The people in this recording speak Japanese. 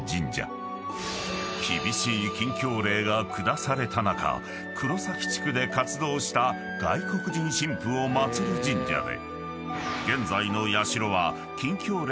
［厳しい禁教令が下された中黒崎地区で活動した外国人神父を祭る神社で］